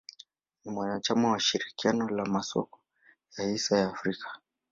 Ni mwanachama wa ushirikiano wa masoko ya hisa ya Afrika.